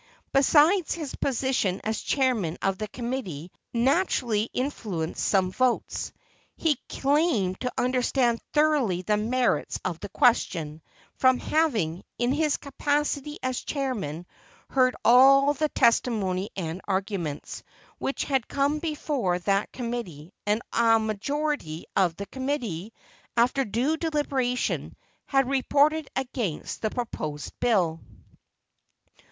Besides, his position as chairman of the committee naturally influenced some votes. He claimed to understand thoroughly the merits of the question, from having, in his capacity as chairman, heard all the testimony and arguments which had come before that committee; and a majority of the committee, after due deliberation, had reported against the proposed bill.